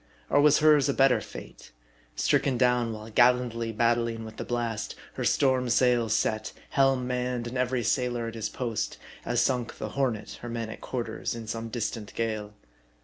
Or was hers a better fate ? Stricken down while gallantly battling with the blast ; her storm sails set ; helm manned ; and every sailor at his post ; as sunk the Hornet, her men at quarters, in some distant gale.